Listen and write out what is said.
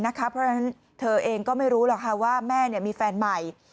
เพราะฉะนั้นเธอเองก็ไม่รู้หรอกค่ะว่าแม่มีแฟนใหม่